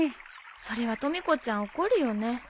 それはとみ子ちゃん怒るよね。